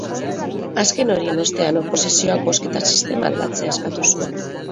Azken horien ostean oposizioak bozketa sistema aldatzea eskatu zuen.